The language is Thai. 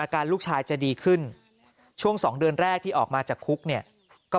การลูกชายจะดีขึ้นช่วง๒เดือนแรกที่ออกมาจากคุกเนี่ยก็